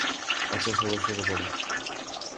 আচ্ছা, সবাই সরে পড়ো।